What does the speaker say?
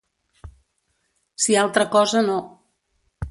Si altra cosa no.